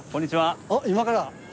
今から？